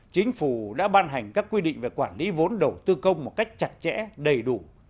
chính phủ đã ban hành các quy định về quản lý vốn đầu tư công một cách chặt chẽ đầy đủ